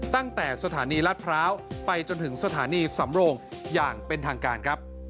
ตั้งแต่สถานีรัฐพร้าวไปจนถึงสถานีสำโรงอย่างเป็นทางการครับ